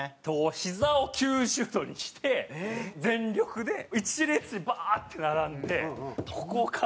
ひざを９０度にして全力で１列にバーッて並んでここから。